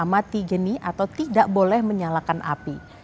amati jeni atau tidak boleh menyalakan api